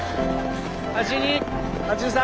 ８２８３。